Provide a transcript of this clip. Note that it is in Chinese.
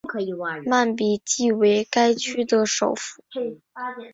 曼比季为该区的首府。